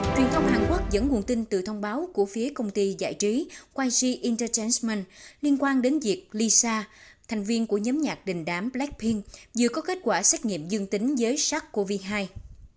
thuyền thông hàn quốc dẫn nguồn tin từ thông báo của phía công ty giải trí yg entertainment liên quan đến việc lisa thành viên của nhóm nhạc đình đám blackpink vừa có kết quả xét nghiệm dương tính giới sắc covid hai